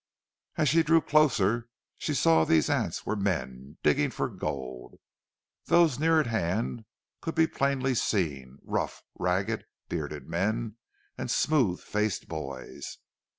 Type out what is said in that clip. As she drew closer she saw these ants were men, digging for gold. Those near at hand could be plainly seen rough, ragged, bearded men and smooth faced boys.